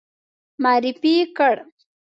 معرفي کړ.